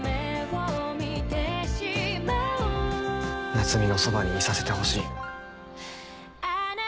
夏海のそばにいさせてほしい。